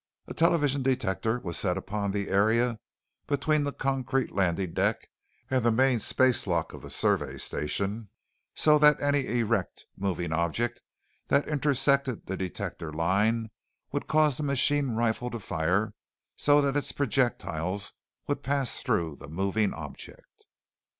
A television detector was set upon the area between the concrete landing deck and the main spacelock of the Survey Station so that any erect, moving object that intersected the detector line would cause the machine rifle to fire so that its projectiles would pass through the moving object.